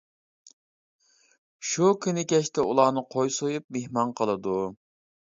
شۇ كۈنى كەچتە ئۇلارنى قوي سويۇپ مېھمان قىلىدۇ.